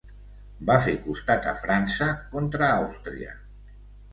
Va fer costat a França contra Àustria.